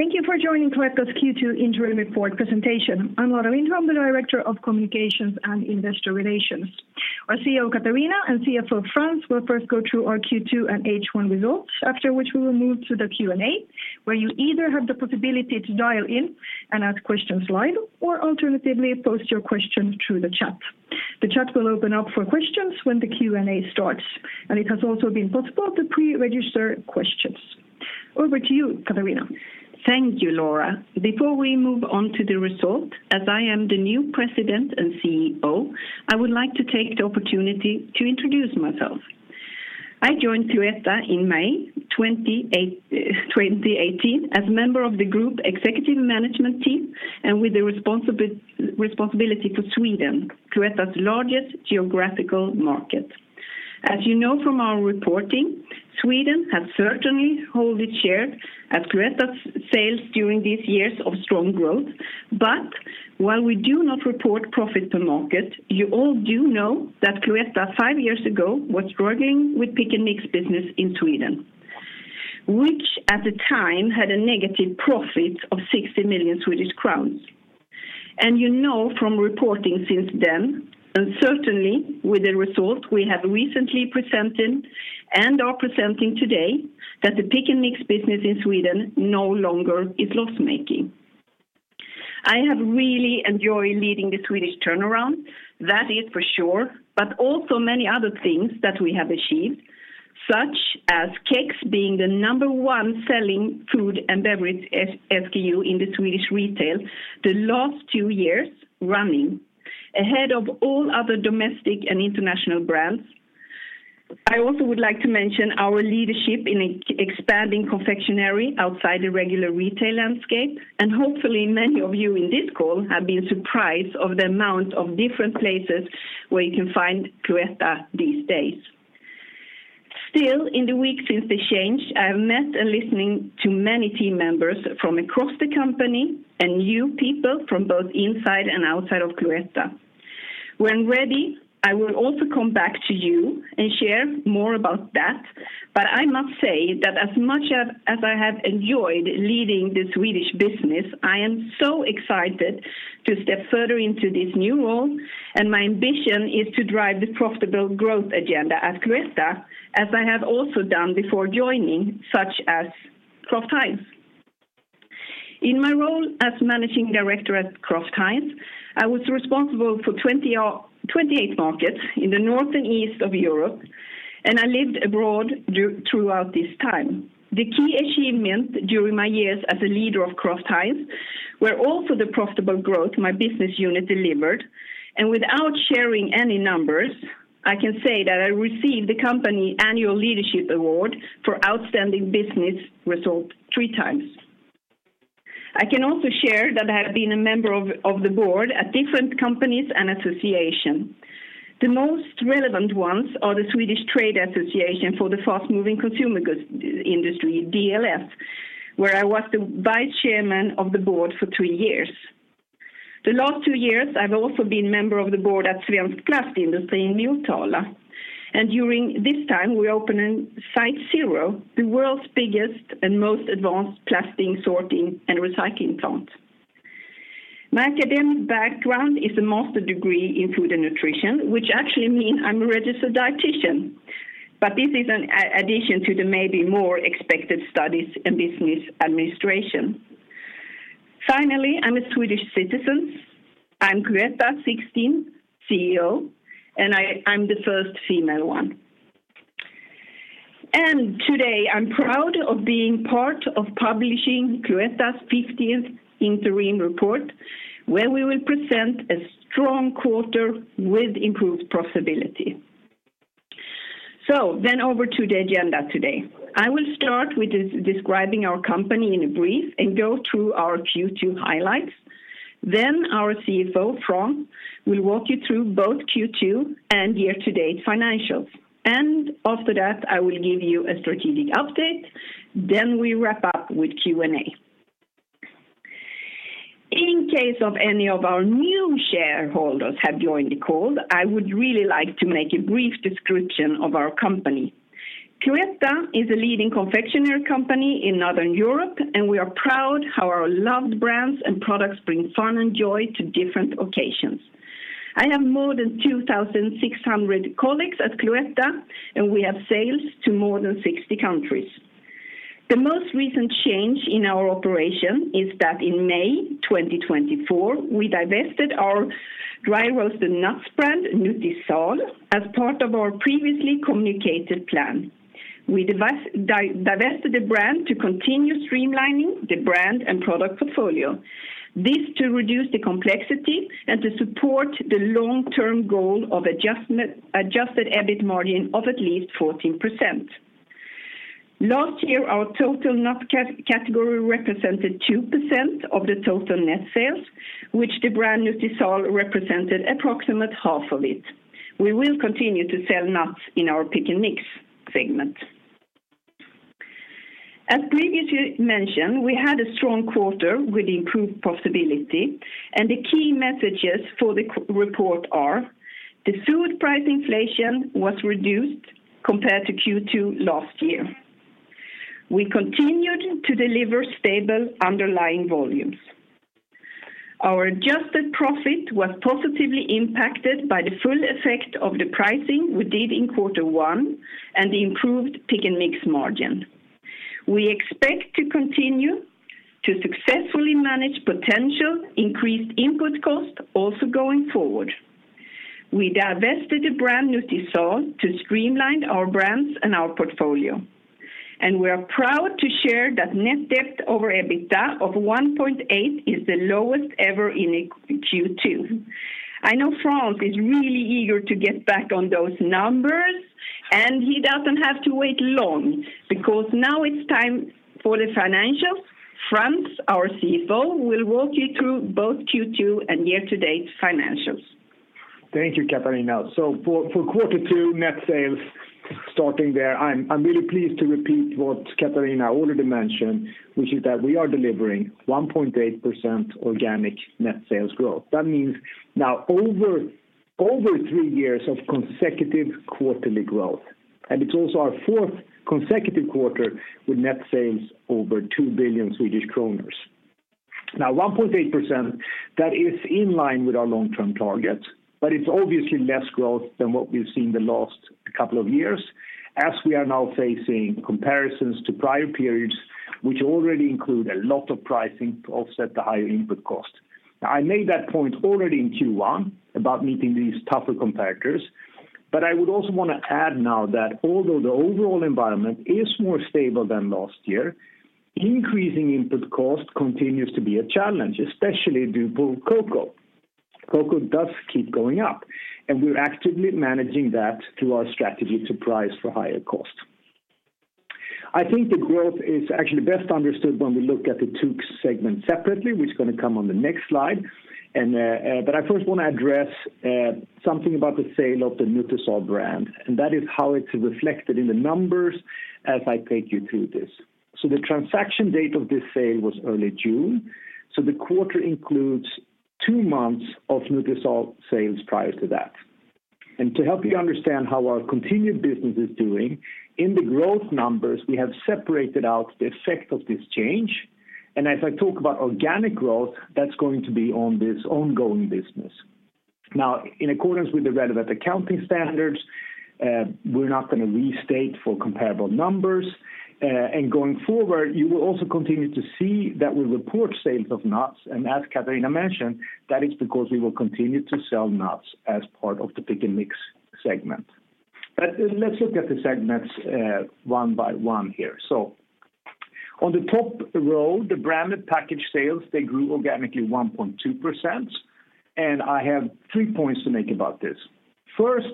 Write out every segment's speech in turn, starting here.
Thank you for joining Cloetta's Q2 interim report presentation. I'm Laura Lindholm, the director of communications and investor relations. Our CEO, Katarina, and CFO, Frans, will first go through our Q2 and H1 results, after which we will move to the Q&A, where you either have the possibility to dial in and ask questions live, or alternatively, post your questions through the chat. The chat will open up for questions when the Q&A starts, and it has also been possible to pre-register questions. Over to you, Katarina. Thank you, Laura. Before we move on to the result, as I am the new President and CEO, I would like to take the opportunity to introduce myself. I joined Cloetta in May 28, 2018 as a member of the group executive management team, and with the responsibility for Sweden, Cloetta's largest geographical market. As you know from our reporting, Sweden has certainly held its share at Cloetta's sales during these years of strong growth. But while we do not report profit per market, you all do know that Cloetta, five years ago, was struggling with Pick & Mix business in Sweden, which at the time had a negative profit of 60 million Swedish crowns. And you know from reporting since then, and certainly with the results we have recently presented and are presenting today, that the Pick & Mix business in Sweden no longer is loss-making. I have really enjoyed leading the Swedish turnaround, that is for sure, but also many other things that we have achieved, such as Kex being the number one selling food and beverage SKU in the Swedish retail the last two years running, ahead of all other domestic and international brands. I also would like to mention our leadership in expanding confectionery outside the regular retail landscape, and hopefully many of you in this call have been surprised of the amount of different places where you can find Cloetta these days. Still, in the weeks since the change, I have met and listening to many team members from across the company and new people from both inside and outside of Cloetta. When ready, I will also come back to you and share more about that, but I must say that as much as, as I have enjoyed leading the Swedish business, I am so excited to step further into this new role, and my ambition is to drive the profitable growth agenda at Cloetta, as I have also done before joining, such as Kraft Heinz. In my role as managing director at Kraft Heinz, I was responsible for 28 markets in the north and east of Europe, and I lived abroad throughout this time. The key achievement during my years as a leader of Kraft Heinz were also the profitable growth my business unit delivered, and without sharing any numbers, I can say that I received the company Annual Leadership Award for Outstanding Business Result three times. I can also share that I have been a member of the board at different companies and association. The most relevant ones are the Swedish Trade Association for the Fast-Moving Consumer Goods Industry, DLF, where I was the vice chairman of the board for three years. The last two years, I've also been member of the board at Svensk Plaståtervinning in Motala, and during this time, we opened Site Zero, the world's biggest and most advanced plastic sorting and recycling plant. My academic background is a master's degree in food and nutrition, which actually mean I'm a registered dietician, but this is an addition to the maybe more expected studies in business administration. Finally, I'm a Swedish citizen. I'm Cloetta sixteenth CEO, and I'm the first female one. Today, I'm proud of being part of publishing Cloetta's fifteenth interim report, where we will present a strong quarter with improved profitability. So then over to the agenda today. I will start with describing our company in brief and go through our Q2 highlights. Our CFO, Frans, will walk you through both Q2 and year-to-date financials, and after that, I will give you a strategic update. We wrap up with Q&A. In case of any of our new shareholders have joined the call, I would really like to make a brief description of our company. Cloetta is a leading confectionery company in Northern Europe, and we are proud of how our loved brands and products bring fun and joy to different occasions. I have more than 2,600 colleagues at Cloetta, and we have sales to more than 60 countries. The most recent change in our operation is that in May 2024, we divested our dry roasted nuts brand, Nutisal, as part of our previously communicated plan. We divested the brand to continue streamlining the brand and product portfolio. This to reduce the complexity and to support the long-term goal of adjusted EBIT margin of at least 14%. Last year, our total nut category represented 2% of the total net sales, which the brand Nutisal represented approximate half of it. We will continue to sell nuts in our Pick & Mix segment. As previously mentioned, we had a strong quarter with improved profitability, and the key messages for the Q2 report are: The food price inflation was reduced compared to Q2 last year. We continued to deliver stable underlying volumes. Our adjusted profit was positively impacted by the full effect of the pricing we did in quarter one and the improved Pick & Mix margin. We expect to continue to successfully manage potential increased input costs also going forward. We divested the brand Nutisal to streamline our brands and our portfolio, and we are proud to share that net debt over EBITDA of 1.8 is the lowest ever in a Q2. I know Frans is really eager to get back on those numbers, and he doesn't have to wait long because now it's time for the financials. Frans, our CFO, will walk you through both Q2 and year-to-date financials. Thank you, Katarina. So for quarter two, net sales, starting there, I'm really pleased to repeat what Katarina already mentioned, which is that we are delivering 1.8% organic net sales growth. That means now over three years of consecutive quarterly growth, and it's also our fourth consecutive quarter with net sales over 2 billion Swedish kronor. Now, 1.8%, that is in line with our long-term target, but it's obviously less growth than what we've seen the last couple of years, as we are now facing comparisons to prior periods, which already include a lot of pricing to offset the higher input cost. Now, I made that point already in Q1 about meeting these tougher comparators, but I would also want to add now that although the overall environment is more stable than last year, increasing input cost continues to be a challenge, especially due to cocoa. Cocoa does keep going up, and we're actively managing that through our strategy to price for higher cost. I think the growth is actually best understood when we look at the two segments separately, which is going to come on the next slide. And but I first want to address something about the sale of the Nutisal brand, and that is how it's reflected in the numbers as I take you through this. So the transaction date of this sale was early June, so the quarter includes two months of Nutisal sales prior to that. To help you understand how our continued business is doing, in the growth numbers, we have separated out the effect of this change. As I talk about organic growth, that's going to be on this ongoing business. Now, in accordance with the relevant accounting standards, we're not going to restate for comparable numbers. And going forward, you will also continue to see that we report sales of nuts, and as Katarina mentioned, that is because we will continue to sell nuts as part of the Pick & Mix segment. Let's look at the segments, one by one here. On the top row, the branded package sales, they grew organically 1.2%, and I have three points to make about this. First,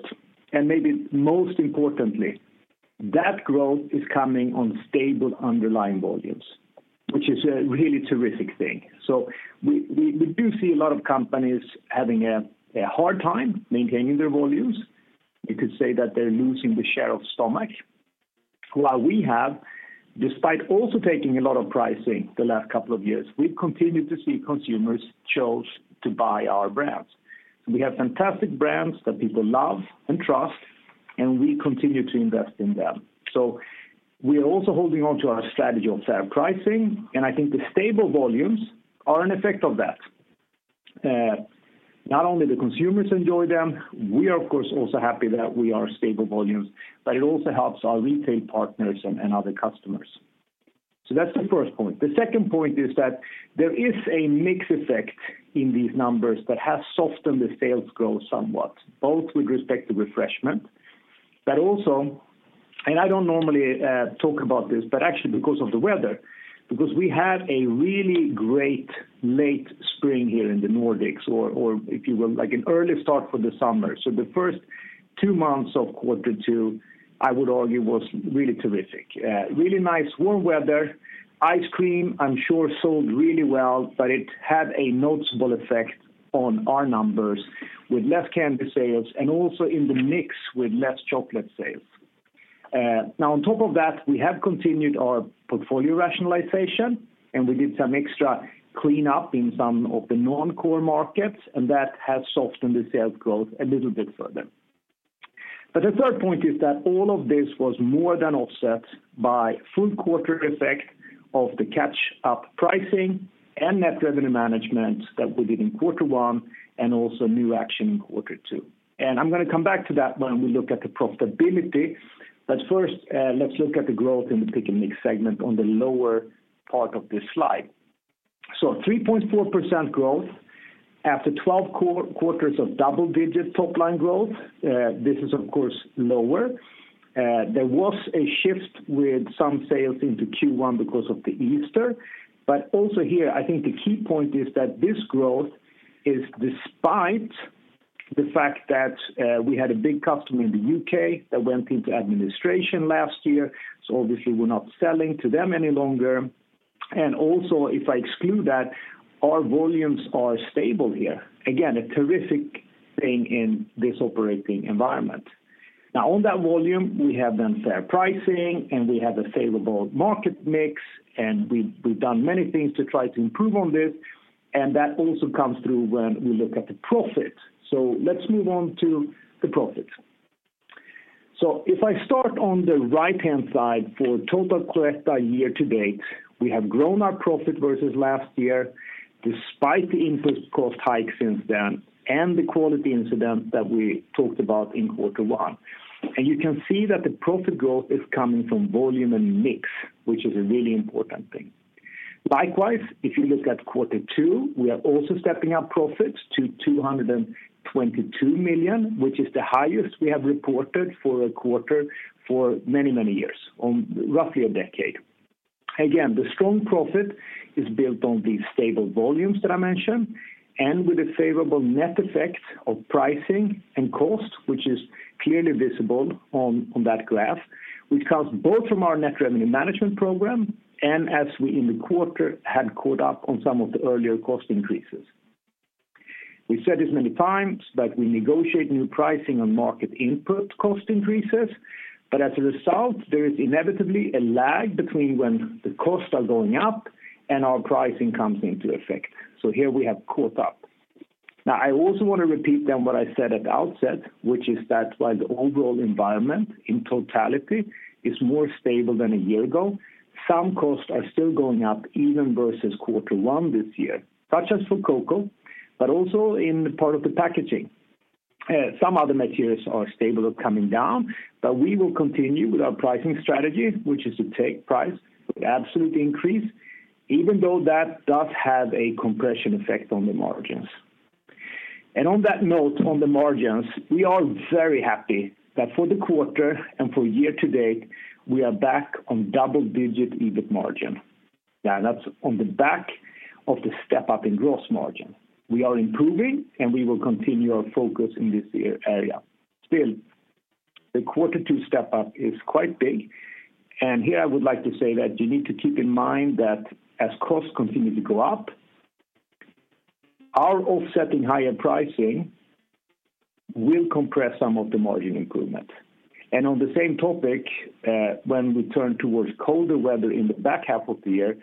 and maybe most importantly, that growth is coming on stable underlying volumes, which is a really terrific thing. So we do see a lot of companies having a hard time maintaining their volumes. You could say that they're losing the share of stomach. While we have, despite also taking a lot of pricing the last couple of years, we've continued to see consumers chose to buy our brands. We have fantastic brands that people love and trust, and we continue to invest in them. So we are also holding on to our strategy of fair pricing, and I think the stable volumes are an effect of that. Not only the consumers enjoy them, we are of course also happy that we are stable volumes, but it also helps our retail partners and other customers. So that's the first point. The second point is that there is a mix effect in these numbers that has softened the sales growth somewhat, both with respect to refreshment, but also, and I don't normally talk about this, but actually because of the weather, because we had a really great late spring here in the Nordics, or if you will, like an early start for the summer. So the first two months of quarter two, I would argue, was really terrific. Really nice warm weather. Ice cream, I'm sure, sold really well, but it had a noticeable effect on our numbers with less candy sales and also in the mix with less chocolate sales. Now, on top of that, we have continued our portfolio rationalization, and we did some extra cleanup in some of the non-core markets, and that has softened the sales growth a little bit further. But the third point is that all of this was more than offset by full quarter effect of the catch-up pricing and net revenue management that we did in quarter one and also new action in quarter two. And I'm going to come back to that when we look at the profitability, but first, let's look at the growth in the Pick & Mix segment on the lower part of this slide. So 3.4% growth after 12 quarters of double-digit top-line growth. This is of course lower. There was a shift with some sales into Q1 because of the Easter, but also here, I think the key point is that this growth is despite the fact that we had a big customer in the U.K. that went into administration last year, so obviously we're not selling to them any longer. And also, if I exclude that, our volumes are stable here. Again, a terrific thing in this operating environment. Now on that volume, we have done fair pricing, and we have a favorable market mix, and we've, we've done many things to try to improve on this, and that also comes through when we look at the profit. So let's move on to the profit. So if I start on the right-hand side, for total Cloetta year to date, we have grown our profit versus last year, despite the input cost hike since then, and the quality incident that we talked about in quarter one. And you can see that the profit growth is coming from volume and mix, which is a really important thing. Likewise, if you look at quarter two, we are also stepping up profits to 222 million, which is the highest we have reported for a quarter for many, many years, in roughly a decade. Again, the strong profit is built on the stable volumes that I mentioned, and with a favorable net effect of pricing and cost, which is clearly visible on that graph, which comes both from our net revenue management program and as we in the quarter had caught up on some of the earlier cost increases. We've said this many times, that we negotiate new pricing on market input cost increases, but as a result, there is inevitably a lag between when the costs are going up and our pricing comes into effect. So here we have caught up. Now, I also want to repeat then what I said at the outset, which is that while the overall environment in totality is more stable than a year ago, some costs are still going up, even versus quarter one this year, such as for cocoa, but also in part of the packaging. Some other materials are stable or coming down, but we will continue with our pricing strategy, which is to take price with absolute increase, even though that does have a compression effect on the margins. And on that note, on the margins, we are very happy that for the quarter and for year to date, we are back on double-digit EBIT margin. Now, that's on the back of the step-up in gross margin. We are improving, and we will continue our focus in this area. Still, the quarter two step-up is quite big, and here I would like to say that you need to keep in mind that as costs continue to go up, our offsetting higher pricing will compress some of the margin improvement. And on the same topic, when we turn towards colder weather in the back half of the year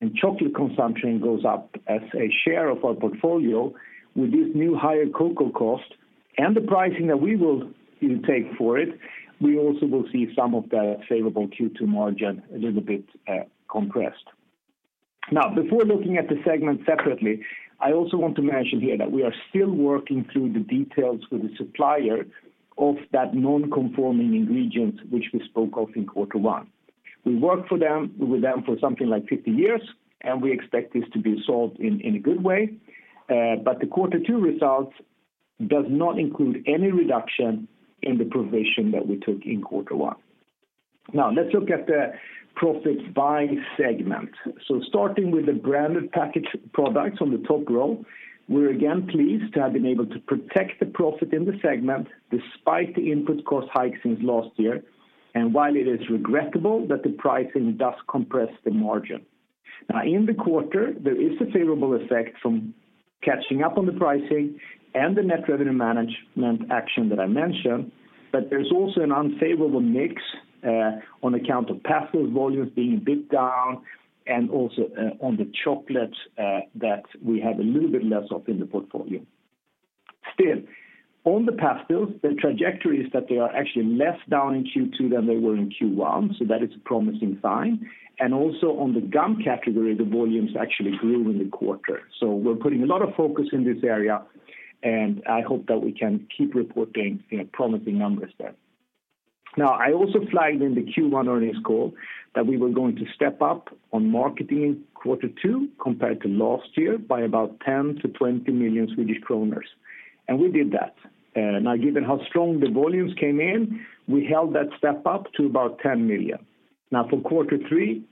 and chocolate consumption goes up as a share of our portfolio, with this new higher cocoa cost and the pricing that we will take for it, we also will see some of the favorable Q2 margin a little bit, compressed. Now, before looking at the segment separately, I also want to mention here that we are still working through the details with the supplier of that non-conforming ingredient, which we spoke of in quarter one. We've worked for them, with them for something like 50 years, and we expect this to be solved in a good way. But the quarter two results does not include any reduction in the provision that we took in quarter one. Now, let's look at the profits by segment. So starting with the branded packaged products on the top row, we're again pleased to have been able to protect the profit in the segment despite the input cost hike since last year, and while it is regrettable that the pricing does compress the margin. Now, in the quarter, there is a favorable effect from catching up on the pricing and the net revenue management action that I mentioned, but there's also an unfavorable mix, on account of pastille volumes being a bit down and also, on the chocolate, that we have a little bit less of in the portfolio. Still, on the pastilles, the trajectory is that they are actually less down in Q2 than they were in Q1, so that is a promising sign. Also, on the gum category, the volumes actually grew in the quarter. So we're putting a lot of focus in this area, and I hope that we can keep reporting, you know, promising numbers there. Now, I also flagged in the Q1 earnings call that we were going to step up on marketing in quarter two compared to last year by about 10-20 million Swedish kronor, and we did that. Now, given how strong the volumes came in, we held that step up to about 10 million. Now, for quarter three,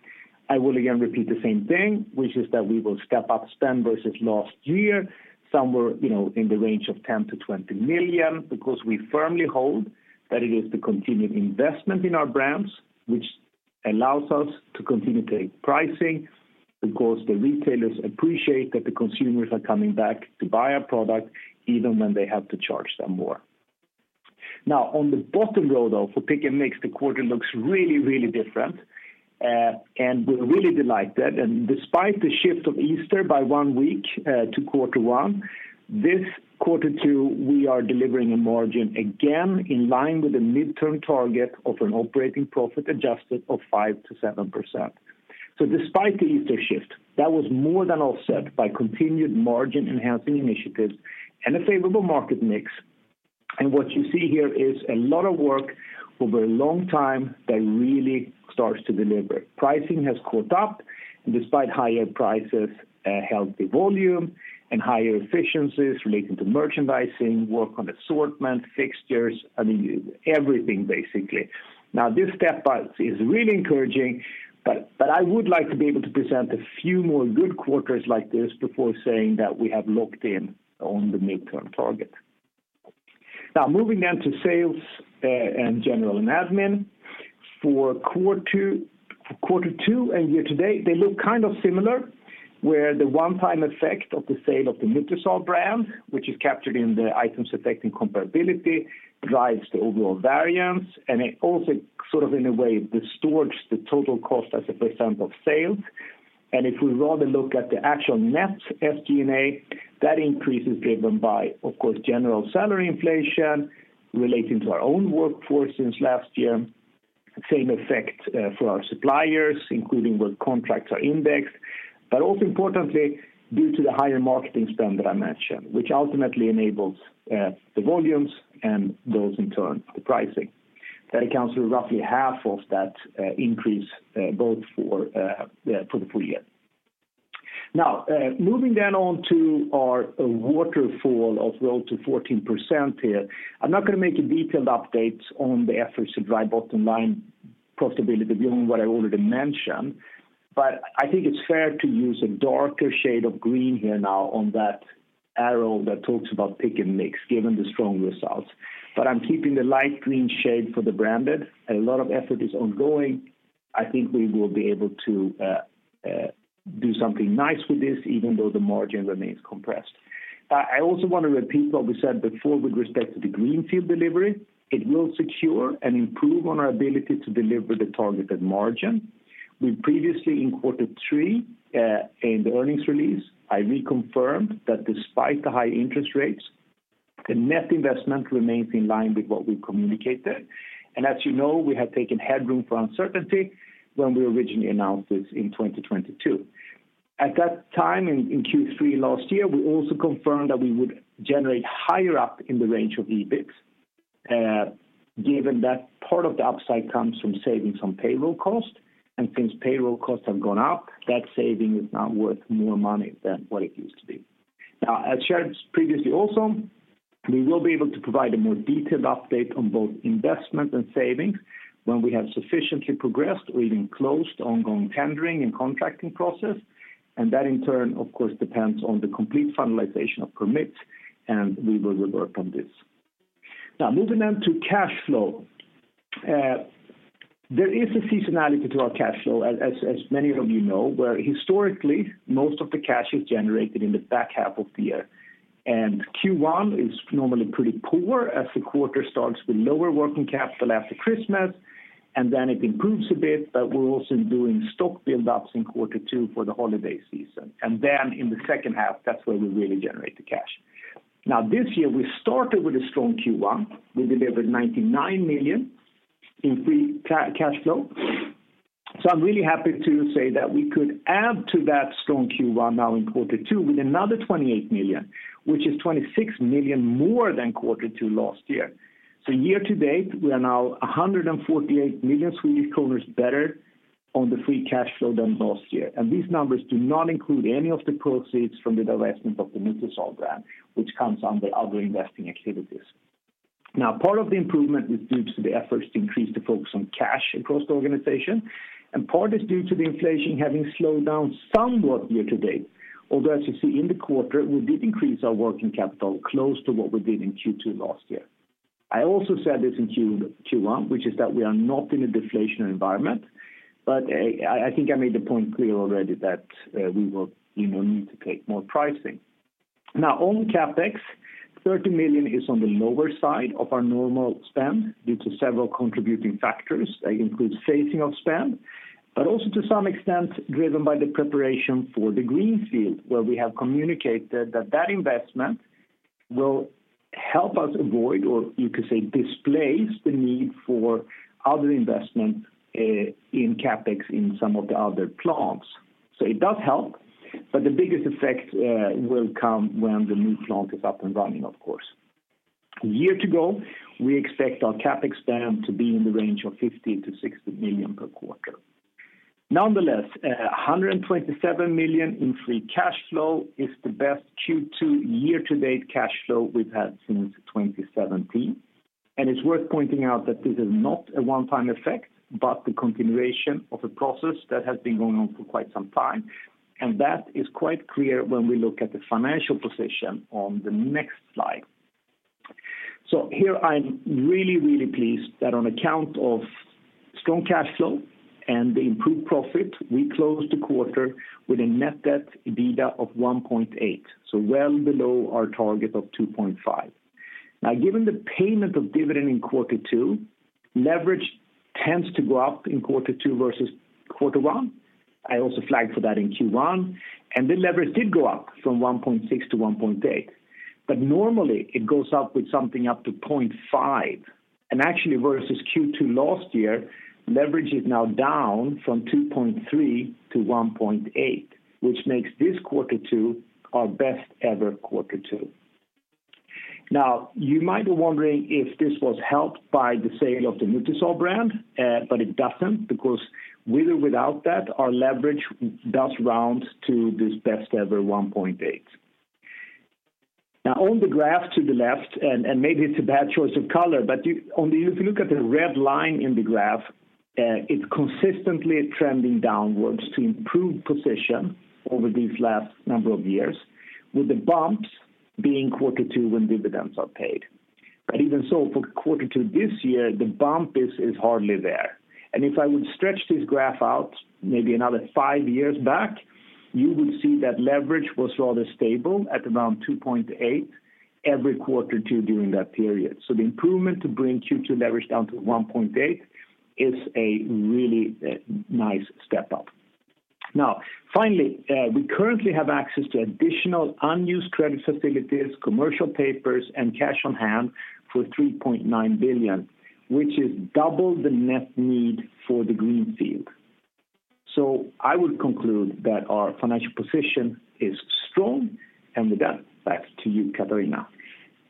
I will again repeat the same thing, which is that we will step up spend versus last year, somewhere, you know, in the range of 10-20 million, because we firmly hold that it is the continued investment in our brands which allows us to continue to take pricing, because the retailers appreciate that the consumers are coming back to buy our product, even when they have to charge them more. Now, on the bottom row, though, for Pick & Mix, the quarter looks really, really different, and we're really delighted. And despite the shift of Easter by 1 week to quarter one, this quarter two, we are delivering a margin again in line with the midterm target of an operating profit adjusted of 5%-7%. So despite the Easter shift, that was more than offset by continued margin-enhancing initiatives and a favorable market mix. And what you see here is a lot of work over a long time that really starts to deliver. Pricing has caught up, and despite higher prices, healthy volume and higher efficiencies relating to merchandising, work on assortment, fixtures, I mean, everything, basically. Now, this step up is really encouraging, but, but I would like to be able to present a few more good quarters like this before saying that we have locked in on the midterm target. Now, moving on to sales and general and admin for quarter two, quarter two and year to date, they look kind of similar, where the one-time effect of the sale of the Nutisal brand, which is captured in the items affecting comparability, drives the overall variance, and it also sort of in a way distorts the total cost as a % of sales. And if we rather look at the actual net SG&A, that increase is driven by, of course, general salary inflation relating to our own workforce since last year. Same effect for our suppliers, including where contracts are indexed, but also importantly, due to the higher marketing spend that I mentioned, which ultimately enables the volumes and those in turn, the pricing. That accounts for roughly half of that increase both for the full year. Now moving then on to our waterfall roadmap to 14% here. I'm not gonna make a detailed update on the efforts to drive bottom-line profitability beyond what I already mentioned, but I think it's fair to use a darker shade of green here now on that arrow that talks about Pick & Mix, given the strong results. But I'm keeping the light green shade for the branded. A lot of effort is ongoing. I think we will be able to do something nice with this, even though the margin remains compressed. I also want to repeat what we said before with respect to the greenfield delivery. It will secure and improve on our ability to deliver the targeted margin. We previously, in quarter three, in the earnings release, I reconfirmed that despite the high interest rates, the net investment remains in line with what we communicated. And as you know, we have taken headroom for uncertainty when we originally announced this in 2022. At that time, in, in Q3 last year, we also confirmed that we would generate higher up in the range of EBIT, given that part of the upside comes from savings on payroll costs, and since payroll costs have gone up, that saving is now worth more money than what it used to be. Now, as shared previously also, we will be able to provide a more detailed update on both investment and savings when we have sufficiently progressed or even closed ongoing tendering and contracting process, and that, in turn, of course, depends on the complete finalization of permits, and we will report on this. Now, moving on to cash flow. There is a seasonality to our cash flow, as many of you know, where historically, most of the cash is generated in the back half of the year. Q1 is normally pretty poor, as the quarter starts with lower working capital after Christmas, and then it improves a bit, but we're also doing stock buildups in quarter two for the holiday season. Then in the second half, that's where we really generate the cash. Now, this year, we started with a strong Q1. We delivered 99 million in free cash flow. So I'm really happy to say that we could add to that strong Q1 now in quarter two with another 28 million, which is 26 million more than quarter two last year. So year to date, we are now 148 million Swedish kronor better on the free cash flow than last year, and these numbers do not include any of the proceeds from the divestment of the Nutisal brand, which comes under other investing activities. Now, part of the improvement is due to the efforts to increase the focus on cash across the organization, and part is due to the inflation having slowed down somewhat year to date. Although, as you see in the quarter, we did increase our working capital close to what we did in Q2 last year. I also said this in Q1, which is that we are not in a deflationary environment, but I think I made the point clear already that we will need to take more pricing. Now, on CapEx, 30 million is on the lower side of our normal spend due to several contributing factors that include phasing of spend, but also to some extent driven by the preparation for the greenfield, where we have communicated that that investment will help us avoid, or you could say, displace the need for other investments in CapEx in some of the other plants. So it does help, but the biggest effect will come when the new plant is up and running, of course. A year to go, we expect our CapEx spend to be in the range of 50 million-60 million per quarter. Nonetheless, 127 million in free cash flow is the best Q2 year-to-date cash flow we've had since 2017, and it's worth pointing out that this is not a one-time effect, but the continuation of a process that has been going on for quite some time, and that is quite clear when we look at the financial position on the next slide. So here I'm really, really pleased that on account of strong cash flow and the improved profit, we closed the quarter with a net debt/EBITDA of 1.8, so well below our target of 2.5. Now, given the payment of dividend in quarter two, leverage tends to go up in quarter two versus quarter one. I also flagged for that in Q1, and the leverage did go up from 1.6 to 1.8, but normally it goes up with something up to 0.5. And actually, versus Q2 last year, leverage is now down from 2.3 to 1.8, which makes this quarter two our best-ever quarter two. Now, you might be wondering if this was helped by the sale of the Nutisal brand, but it doesn't, because with or without that, our leverage does round to this best-ever 1.8. Now, on the graph to the left, and maybe it's a bad choice of color, but if you look at the red line in the graph, it's consistently trending downwards to improve position over these last number of years with the bumps being quarter two when dividends are paid. But even so, for quarter two this year, the bump is hardly there. And if I would stretch this graph out maybe another 5 years back, you would see that leverage was rather stable at around 2.8 every quarter two during that period. So the improvement to bring Q2 leverage down to 1.8 is a really nice step up. Now, finally, we currently have access to additional unused credit facilities, commercial paper, and cash on hand for 3.9 billion, which is double the net need for the greenfield. So I would conclude that our financial position is strong, and with that, back to you, Katarina.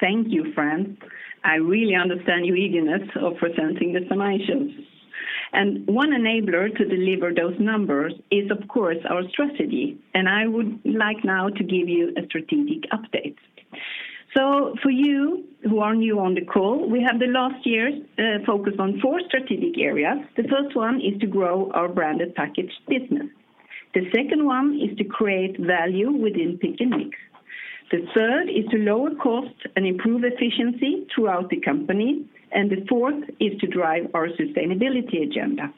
Thank you, Frans. I really understand your eagerness of presenting the summations. One enabler to deliver those numbers is, of course, our strategy, and I would like now to give you a strategic update. For you who are new on the call, we have the last year's focus on four strategic areas. The first one is to grow our branded packaged business. The second one is to create value within Pick & Mix. The third is to lower costs and improve efficiency throughout the company, and the fourth is to drive our sustainability agenda.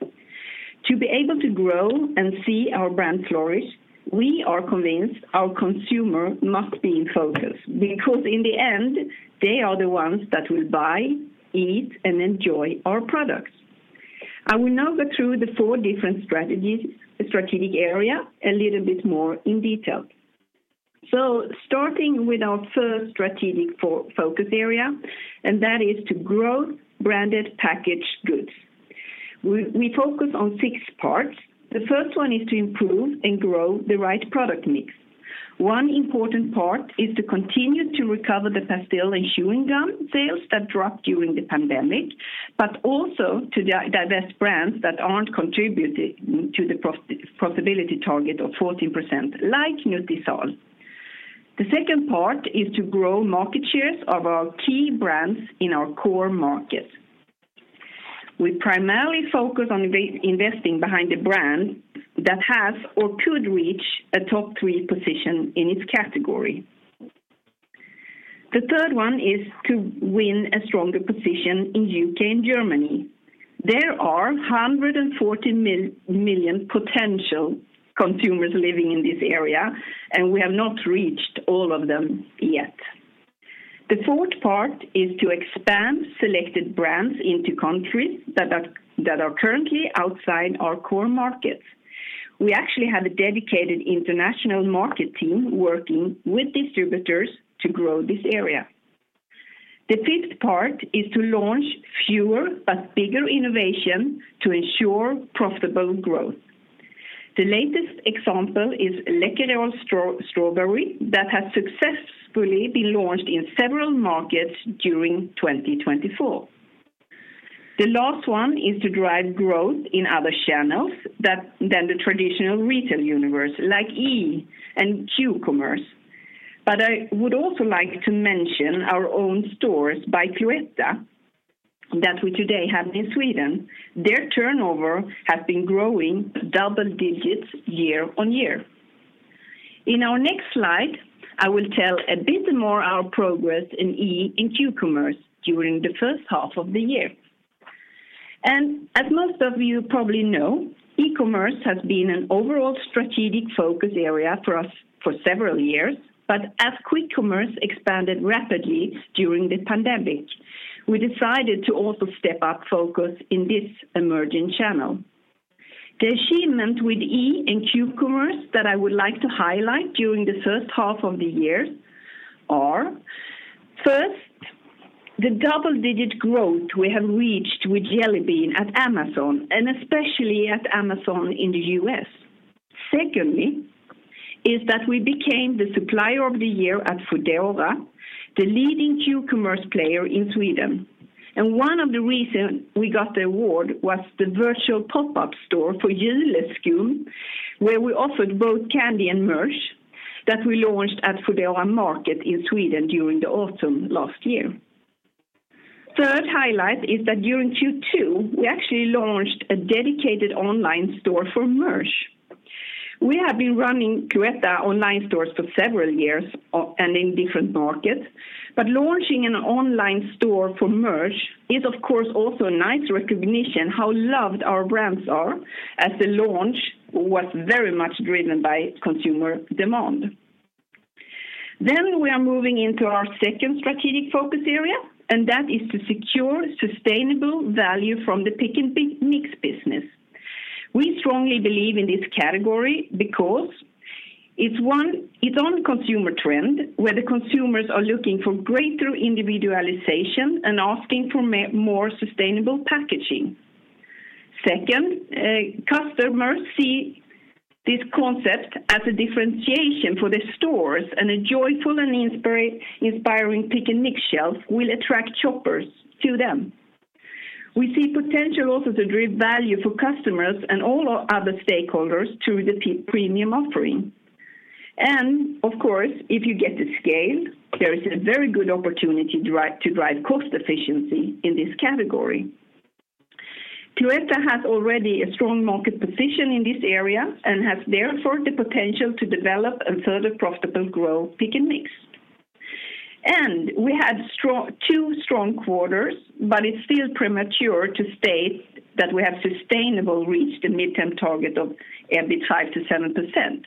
To be able to grow and see our brand flourish, we are convinced our consumer must be in focus because in the end, they are the ones that will buy, eat, and enjoy our products. I will now go through the four different strategies, strategic areas a little bit more in detail. So starting with our first strategic focus area, and that is to grow branded packaged goods. We focus on six parts. The first one is to improve and grow the right product mix. One important part is to continue to recover the pastille and chewing gum sales that dropped during the pandemic, but also to divest brands that aren't contributing to the profitability target of 14%, like Nutisal. The second part is to grow market shares of our key brands in our core markets. We primarily focus on investing behind the brand that has or could reach a top three position in its category. The third one is to win a stronger position in UK and Germany. There are 140 million potential consumers living in this area, and we have not reached all of them yet. The fourth part is to expand selected brands into countries that are, that are currently outside our core markets. We actually have a dedicated international market team working with distributors to grow this area. The fifth part is to launch fewer but bigger innovation to ensure profitable growth. The latest example is Läkerol Strawberry that has successfully been launched in several markets during 2024. The last one is to drive growth in other channels other than the traditional retail universe, like e-commerce and Q-commerce. But I would also like to mention our own stores by Cloetta that we today have in Sweden. Their turnover has been growing double digits year on year. In our next slide, I will tell a bit more our progress in e-commerce and Q-commerce during the first half of the year. As most of you probably know, e-commerce has been an overall strategic focus area for us for several years, but as quick commerce expanded rapidly during the pandemic, we decided to also step up focus in this emerging channel. The achievement with e and Q-commerce that I would like to highlight during the first half of the year are: first, the double-digit growth we have reached with Jelly Bean at Amazon, and especially at Amazon in the U.S. Secondly, is that we became the Supplier of the Year at Foodora, the leading Q-commerce player in Sweden. And one of the reason we got the award was the virtual pop-up store for Juleskum, where we offered both candy and merch that we launched at Foodora Market in Sweden during the autumn last year. Third highlight is that during Q2, we actually launched a dedicated online store for merch. We have been running Cloetta online stores for several years and in different markets, but launching an online store for merch is, of course, also a nice recognition how loved our brands are, as the launch was very much driven by consumer demand. Then we are moving into our second strategic focus area, and that is to secure sustainable value from the Pick & Mix business. We strongly believe in this category because it's on consumer trend, where the consumers are looking for greater individualization and asking for more sustainable packaging. Second, customers see this concept as a differentiation for the stores, and a joyful and inspiring Pick & Mix shelves will attract shoppers to them. We see potential also to drive value for customers and all our other stakeholders through the premium offering. Of course, if you get the scale, there is a very good opportunity to drive cost efficiency in this category. Cloetta has already a strong market position in this area and has therefore the potential to develop a further profitable growth Pick & Mix. And we had two strong quarters, but it's still premature to state that we have sustainably reached a mid-term target of EBITDA 5% to 7%.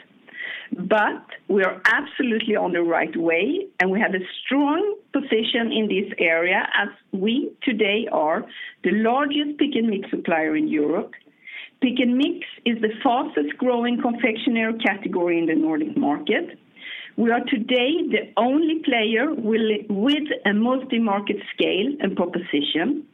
But we are absolutely on the right way, and we have a strong position in this area as we today are the largest Pick & Mix supplier in Europe. Pick & Mix is the fastest growing confectionery category in the Nordic market. We are today the only player with a multi-market scale and proposition.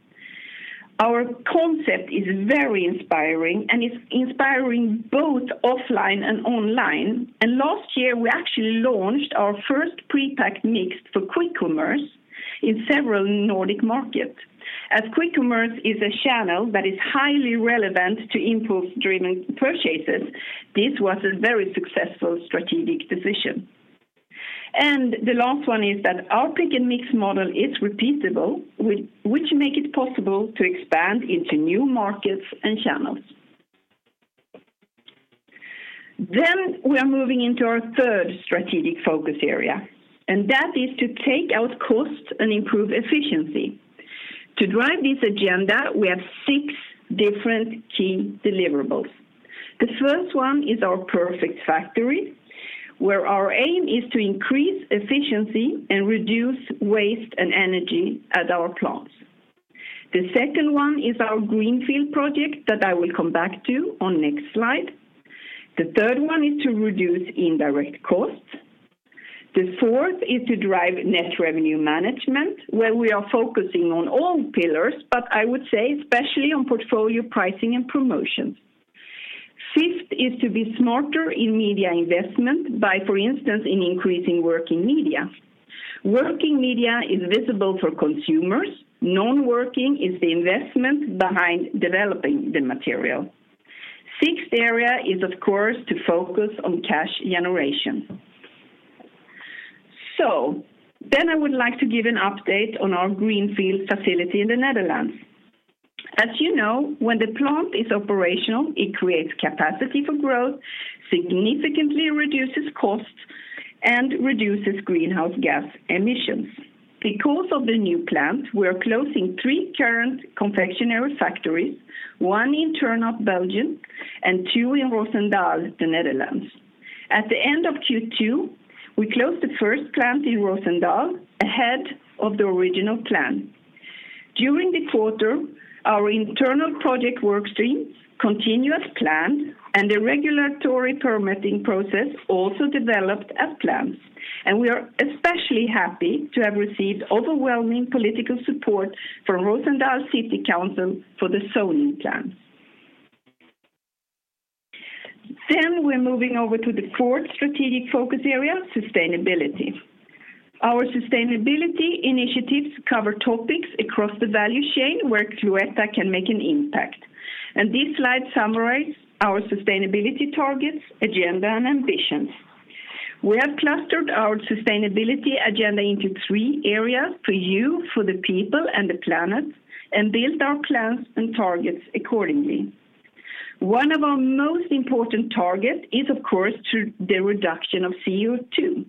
Our concept is very inspiring, and it's inspiring both offline and online. Last year, we actually launched our first pre-packed mix for quick commerce in several Nordic markets. As quick commerce is a channel that is highly relevant to impulse-driven purchases, this was a very successful strategic decision. And the last one is that our Pick & Mix model is repeatable, which make it possible to expand into new markets and channels. We are moving into our third strategic focus area, and that is to take out costs and improve efficiency. To drive this agenda, we have six different key deliverables. The first one is our Perfect Factory, where our aim is to increase efficiency and reduce waste and energy at our plants. The second one is our greenfield project, that I will come back to on next slide. The third one is to reduce indirect costs. The fourth is to drive net revenue management, where we are focusing on all pillars, but I would say, especially on portfolio pricing and promotions. Fifth is to be smarter in media investment by, for instance, in increasing working media. Working media is visible for consumers, non-working is the investment behind developing the material. Sixth area is, of course, to focus on cash generation. So then I would like to give an update on our greenfield facility in the Netherlands. As you know, when the plant is operational, it creates capacity for growth, significantly reduces costs, and reduces greenhouse gas emissions. Because of the new plant, we are closing three current confectionery factories, one in Turnhout, Belgium, and two in Roosendaal, the Netherlands. At the end of Q2, we closed the first plant in Roosendaal ahead of the original plan. During the quarter, our internal project work stream continued as planned, and the regulatory permitting process also developed as planned, and we are especially happy to have received overwhelming political support from Roosendaal City Council for the zoning plan. Then we're moving over to the fourth strategic focus area, sustainability. Our sustainability initiatives cover topics across the value chain, where Cloetta can make an impact. And this slide summarizes our sustainability targets, agenda, and ambitions. We have clustered our sustainability agenda into three areas: for you, for the people, and the planet, and built our plans and targets accordingly. One of our most important target is, of course, to the reduction of CO2.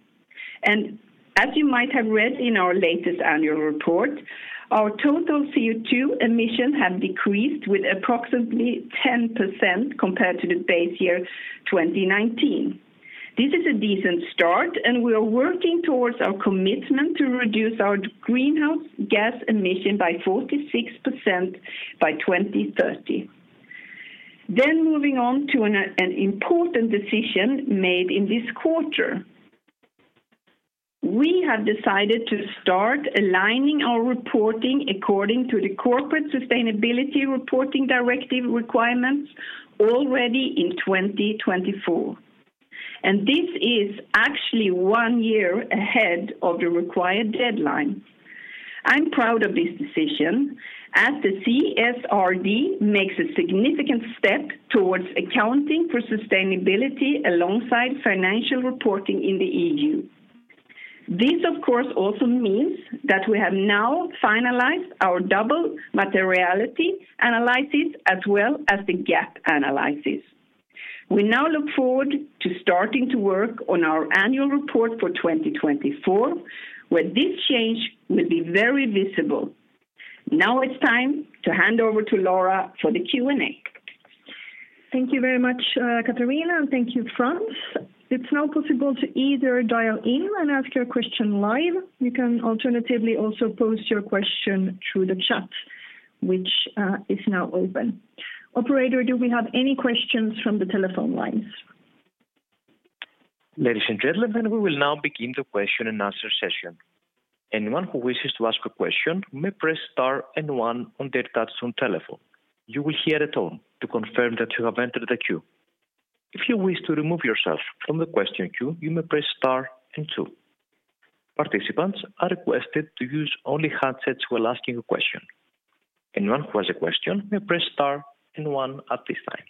And as you might have read in our latest annual report, our total CO2 emissions have decreased with approximately 10% compared to the base year 2019. This is a decent start, and we are working towards our commitment to reduce our greenhouse gas emission by 46% by 2030. Then moving on to an important decision made in this quarter. We have decided to start aligning our reporting according to the Corporate Sustainability Reporting Directive requirements already in 2024, and this is actually one year ahead of the required deadline. I'm proud of this decision, as the CSRD makes a significant step towards accounting for sustainability alongside financial reporting in the EU. This, of course, also means that we have now finalized our double materiality analysis as well as the gap analysis. We now look forward to starting to work on our annual report for 2024, where this change will be very visible. Now it's time to hand over to Laura for the Q&A. Thank you very much, Katarina, and thank you, Frans. It's now possible to either dial in and ask your question live. You can alternatively also post your question through the chat, which is now open. Operator, do we have any questions from the telephone lines? Ladies and gentlemen, we will now begin the question and answer session. Anyone who wishes to ask a question may press star and one on their touch-tone telephone. You will hear a tone to confirm that you have entered the queue. If you wish to remove yourself from the question queue, you may press star and two. Participants are requested to use only handsets while asking a question. Anyone who has a question, may press star and one at this time.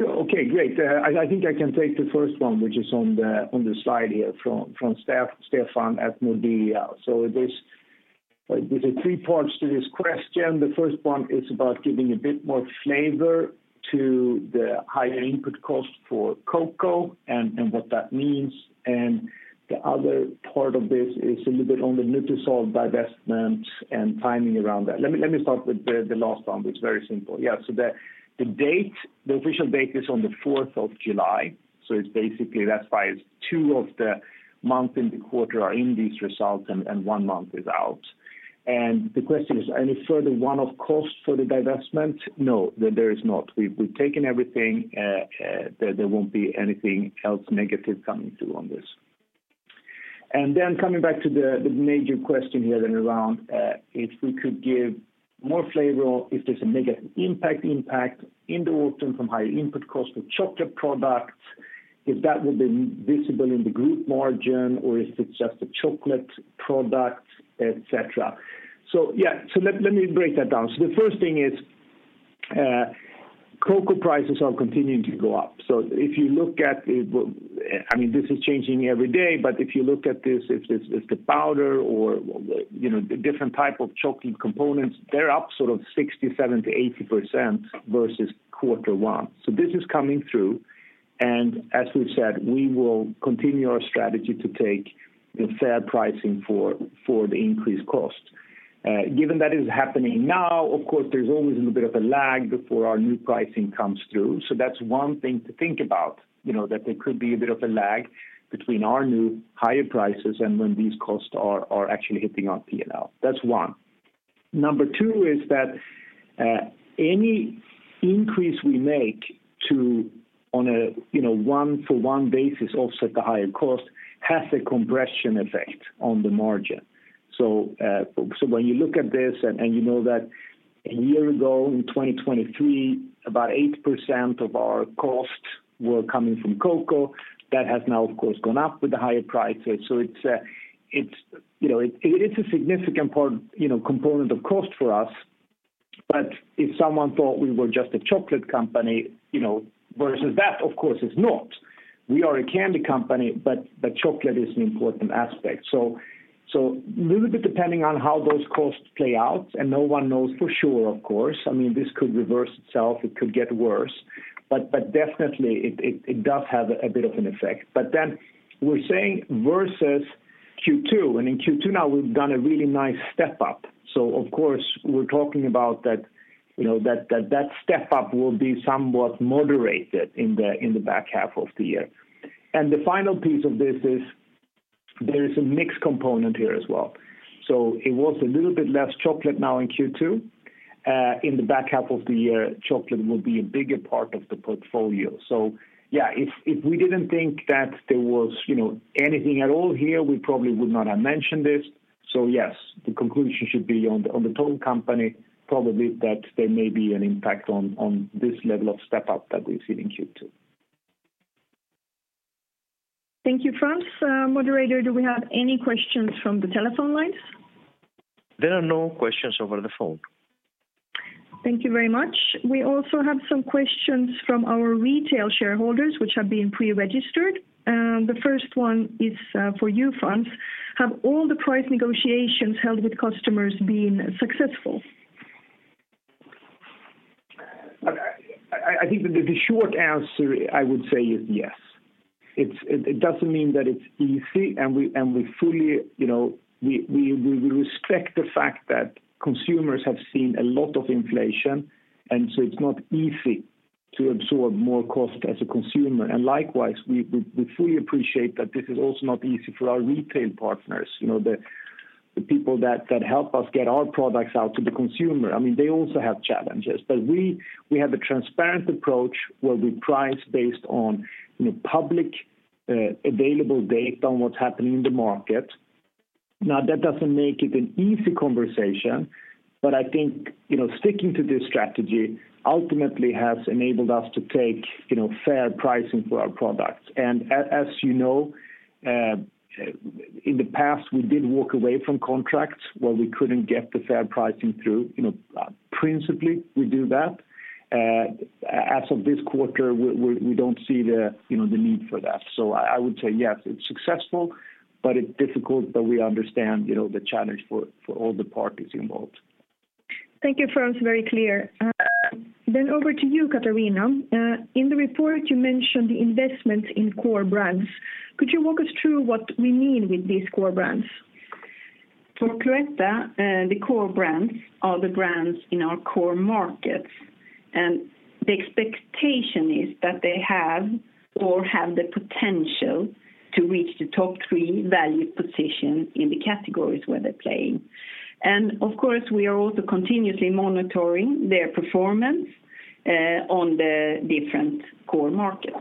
Okay, great. I think I can take the first one, which is on the slide here from Stefan at Nordea. So this, there's three parts to this question. The first one is about giving a bit more flavor to the higher input cost for cocoa and what that means. And the other part of this is a little bit on the Nutisal divestment and timing around that. Let me start with the last one, which is very simple. Yeah, so the date, the official date is on the fourth of July, so it's basically that's why it's two of the months in the quarter are in these results, and one month is out. And the question is, any further one-off costs for the divestment? No, there is not. We've taken everything; there won't be anything else negative coming through on this. And then coming back to the major question here then around if we could give more flavor, or if there's a negative impact in the autumn from higher input costs for chocolate products, if that would be visible in the group margin, or if it's just the chocolate products, et cetera. So yeah, let me break that down. So the first thing is, cocoa prices are continuing to go up. So if you look at it, I mean, this is changing every day, but if you look at this, if it's the powder or, you know, the different type of chocolate components, they're up sort of 67%-80% versus quarter one. So this is coming through, and as we've said, we will continue our strategy to take a fair pricing for, for the increased cost. Given that is happening now, of course, there's always a little bit of a lag before our new pricing comes through. So that's one thing to think about, you know, that there could be a bit of a lag between our new higher prices and when these costs are, are actually hitting our P&L. That's one. Number two is that, any increase we make to, on a, you know, one-for-one basis offset the higher cost, has a compression effect on the margin. So, so when you look at this, and, and you know that a year ago, in 2023, about 8% of our costs were coming from cocoa, that has now of course gone up with the higher prices. So it's, you know, it is a significant part, you know, component of cost for us. But if someone thought we were just a chocolate company, you know, versus that, of course, it's not. We are a candy company, but chocolate is an important aspect. So little bit depending on how those costs play out, and no one knows for sure, of course, I mean, this could reverse itself, it could get worse, but definitely it does have a bit of an effect. But then we're saying versus Q2, and in Q2 now we've done a really nice step up. So of course, we're talking about that, you know, that step up will be somewhat moderated in the back half of the year. And the final piece of this is, there is a mixed component here as well. It was a little bit less chocolate now in Q2. In the back half of the year, chocolate will be a bigger part of the portfolio. So yeah, if, if we didn't think that there was, you know, anything at all here, we probably would not have mentioned this. So yes, the conclusion should be on the, on the total company, probably that there may be an impact on, on this level of step up that we've seen in Q2. Thank you, Frans. Moderator, do we have any questions from the telephone lines? There are no questions over the phone. Thank you very much. We also have some questions from our retail shareholders, which have been pre-registered. The first one is, for you, Frans: Have all the price negotiations held with customers been successful? I think the short answer I would say is yes. It's... It doesn't mean that it's easy, and we fully, you know, respect the fact that consumers have seen a lot of inflation, and so it's not easy to absorb more cost as a consumer. And likewise, we fully appreciate that this is also not easy for our retail partners, you know, the people that help us get our products out to the consumer. I mean, they also have challenges. But we have a transparent approach where we price based on, you know, public available data on what's happening in the market. Now, that doesn't make it an easy conversation, but I think, you know, sticking to this strategy ultimately has enabled us to take, you know, fair pricing for our products. As you know, in the past, we did walk away from contracts where we couldn't get the fair pricing through. You know, principally, we do that. As of this quarter, we don't see the, you know, the need for that. So I would say, yes, it's successful, but it's difficult, but we understand, you know, the challenge for all the parties involved. Thank you, Frans. Very clear. Then over to you, Katarina. In the report, you mentioned the investment in core brands. Could you walk us through what we mean with these core brands? For Cloetta, the core brands are the brands in our core markets, and the expectation is that they have or have the potential to reach the top three value position in the categories where they play. Of course, we are also continuously monitoring their performance on the different core markets.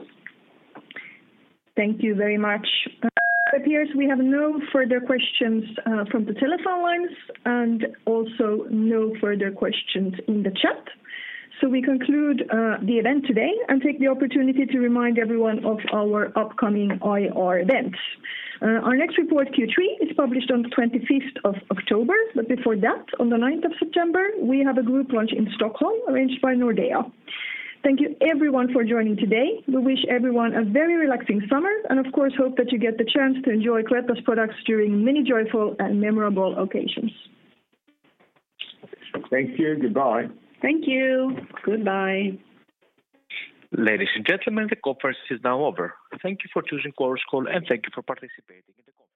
Thank you very much. It appears we have no further questions from the telephone lines and also no further questions in the chat. So we conclude the event today and take the opportunity to remind everyone of our upcoming IR events. Our next report, Q3, is published on the 25th of October, but before that, on the 9th of September, we have a group lunch in Stockholm, arranged by Nordea. Thank you everyone for joining today. We wish everyone a very relaxing summer and of course, hope that you get the chance to enjoy Cloetta's products during many joyful and memorable occasions. Thank you. Goodbye. Thank you. Goodbye. Ladies and gentlemen, the conference is now over. Thank you for choosing Conference Call, and thank you for participating in the conference.